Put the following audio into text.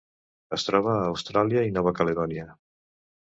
Es troba a Austràlia i Nova Caledònia.